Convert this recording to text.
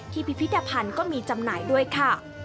พิพิธภัณฑ์ก็มีจำหน่ายด้วยค่ะ